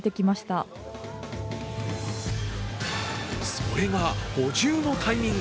それが補充のタイミング。